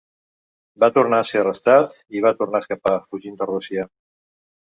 Va tornar a ser arrestat i va tornar a escapar, fugint de Rússia.